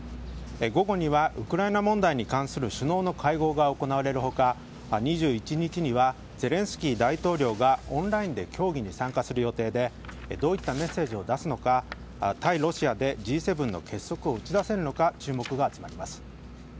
午後には、ウクライナ問題に関する首脳の会合が行われる他２１日にはゼレンスキー大統領がオンラインで協議に参加する予定でどういったメッセージを出すのか対ロシアでＧ７の結束を打ち出せるのか注目が集まります。